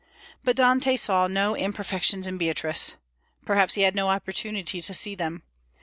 But Dante saw no imperfections in Beatrice: perhaps he had no opportunity to see them.